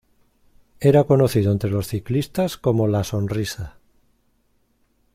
Era conocido entre los ciclistas como "la sonrisa".